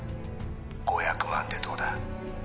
「５００万でどうだ？」